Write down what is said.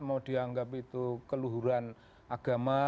mau dianggap itu keluhuran agama